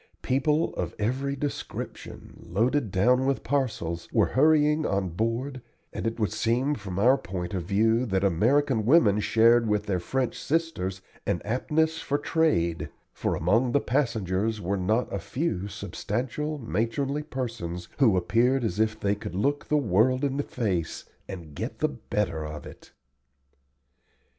People of every description, loaded down with parcels, were hurrying on board, and it would seem from our point of view that American women shared with their French sisters an aptness for trade, for among the passengers were not a few substantial, matronly persons who appeared as if they could look the world in the face and get the better of it.